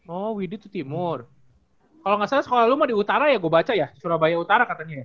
oh widi itu timur kalau nggak salah kalau mau di utara ya gue baca ya di surabaya utara katanya ya